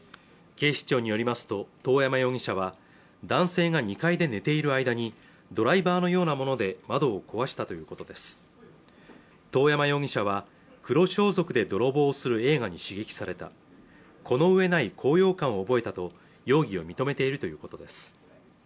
警視庁によりますと遠山容疑者は男性が２階で寝ている間にドライバーのようなもので窓を壊したということです遠山容疑者は黒装束で泥棒する映画に刺激されたこの上ない高揚感を覚えたと容疑を認めているということです